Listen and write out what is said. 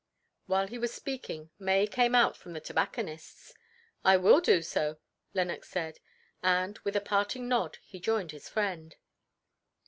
While he was speaking May came out from the tobacconist's. "I will do so," Lenox said, and with a parting nod he joined his friend.